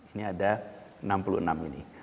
ini ada enam puluh enam ini